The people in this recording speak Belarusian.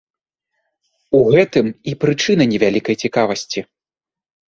У гэтым і прычына не вялікай цікавасці.